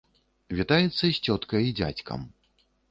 Вітаецца з цёткай і дзядзькам.